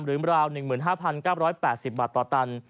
ราว๑๕๙๘๐บาทต่อตัน